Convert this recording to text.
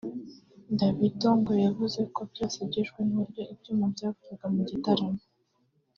Davido ngo yavuze ko byose byishwe n’uburyo ibyuma byavugaga mu gitaramo